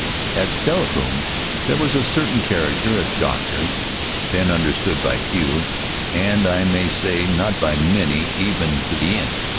At Steilacoom there was a certain character, a doctor, then understood by few, and I may say not by many even to the end.